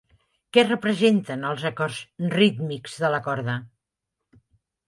Què representen els acords rítmics de la corda?